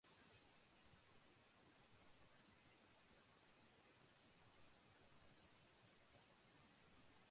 এছাড়াও এটি বিপুল পরিমাণে তেজস্ক্রিয় পদার্থ ছড়িয়ে ফেলতে সক্ষম যা মানবদেহের জন্য অত্যন্ত ক্ষতিকর।